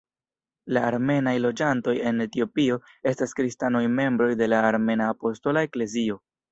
La armenaj loĝantoj en Etiopio estas kristanoj membroj de la Armena Apostola Eklezio.